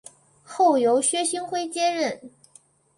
后由薛星辉接任。